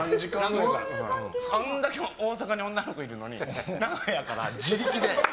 あんだけ大阪に女の子いるのに名古屋から自力で。